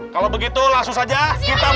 kalau begitu langsung saja kita mulai acara